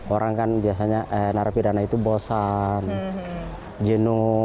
orang kan biasanya narapidana itu bosan jenuh